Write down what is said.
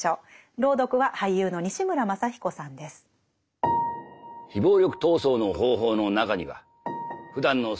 朗読は俳優の西村まさ彦さんです。